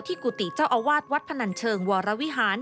กุฏิเจ้าอาวาสวัดพนันเชิงวรวิหาร